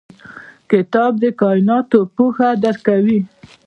کتاب د کایناتو پوهه درکوي.